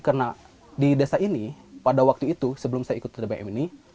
karena di desa ini pada waktu itu sebelum saya ikut tbm ini